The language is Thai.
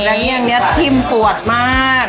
และเมี่ยงนี้ชิมปวดมาก